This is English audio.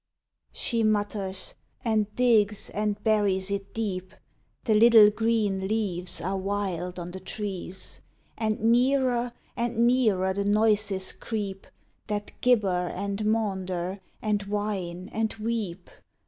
_" She mutters and digs and buries it deep The little green leaves are wild on the trees And nearer and nearer the noises creep, That gibber and maunder and whine and weep